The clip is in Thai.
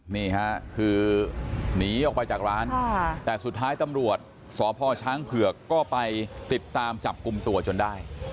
นี่ค่ะคือหนีออกไปจากร้านแต่สุดท้ายตำรวจสพช้างเผือกก็ไปติดตามจับกลุ่มตัวจนได้